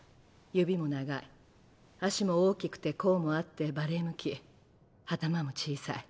指も長い足も大きくて甲もあってバレエ向き頭も小さい。